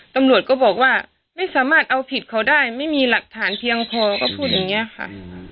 ตำรวจก็บอกว่าไม่สามารถเอาผิดเขาได้ไม่มีหลักฐานเพียงพอก็พูดอย่างนี้ค่ะ